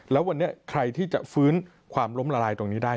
แล้ววันนี้ใครที่จะฟื้นความล้มละลายตรงนี้ได้